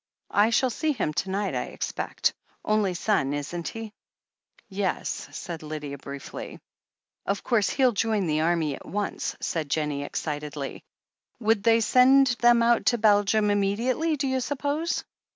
"I shall see him to night, I expect. Only son, isn't he?" "Yes," said Lydia briefly. "Of course, he'll join the army at once," said Jennie excitedly. "Would they send them out to Belgium immediately, do you suppose?"